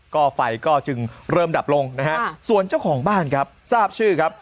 ก็ไฟก็จึงเริ่มดับลงนะฮะส่วนเจ้าของบ้านครับทราบชื่อครับ